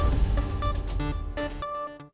karena rocky yang datang makanya betul